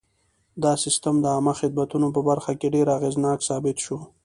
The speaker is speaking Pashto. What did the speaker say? دا سیستم د عامه خدمتونو په برخه کې ډېر اغېزناک ثابت شو.